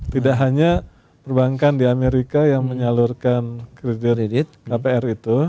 tidak hanya perbankan di amerika yang menyalurkan kredit kredit kpr itu